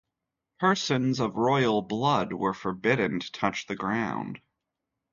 Persons of royal blood were forbidden to touch the ground.